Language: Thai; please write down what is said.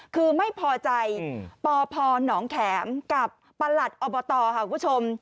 คือไม่พอใจปพหนองแข็มกับประหลัดอบตค่ะคุณผู้ชม